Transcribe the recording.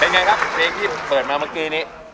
เป็นไงครับเพลงที่เปิดมาเมื่อเกลียนนี้